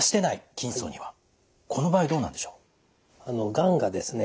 がんがですね